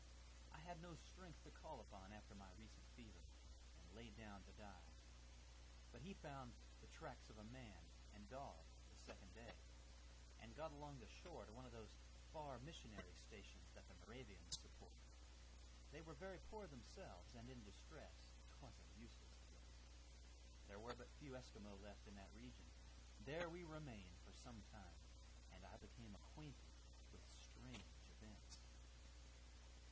I had no strength to call upon after my recent fever, and laid down to die; but he found the tracks of a man and dog the second day, and got along the shore to one of those far missionary stations that the Moravians support. They were very poor themselves, and in distress; 'twas a useless place. There were but few Esquimaux left in that region. There we remained for some time, and I became acquainted with strange events."